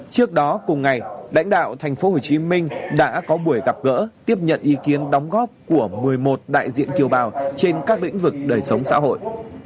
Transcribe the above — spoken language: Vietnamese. trước đó cùng ngày lãnh đạo tp hcm đã có buổi gặp gỡ tiếp nhận ý kiến đóng góp của một mươi một đại diện kiều bào trên các lĩnh vực đời sống xã hội